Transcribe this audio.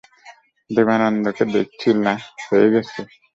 দেবানন্দকে দেখেছি না, হয়ে গেছে।